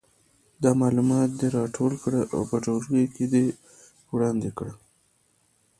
دا معلومات دې راټول کړي او په ټولګي کې دې وړاندې کړي.